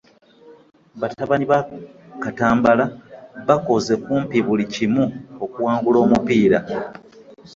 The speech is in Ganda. Batabani ba Katambala bakoze kumpi buli kimu okuwangula omupiira.